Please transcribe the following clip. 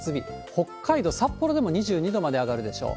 北海道札幌でも２２度まで上がるでしょう。